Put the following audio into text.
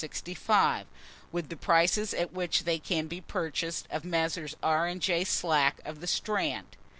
65, with the prices at which they can be purchased of Messrs. R. and J. Slack, of the Strand.